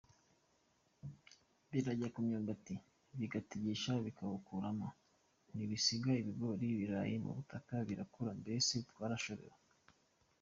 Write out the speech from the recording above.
Birajya ku myumbati bigatigisa bikawukuramo, ntibisiga ikigori, ikirayi mu butaka birakura, mbese twarashobewe”.